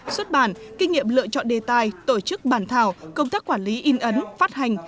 xuất bản kinh nghiệm lựa chọn đề tài tổ chức bản thảo công tác quản lý in ấn phát hành